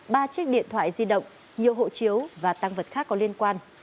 ba chiếc điện thoại di động nhiều hộ chiếu và tăng vật khác có liên quan